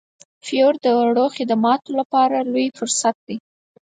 فیور د وړو خدماتو لپاره لوی فرصت دی.